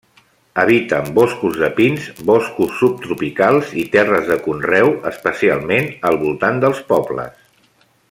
Habiten boscos de pins, boscos subtropicals i terres de conreu, especialment al voltant dels pobles.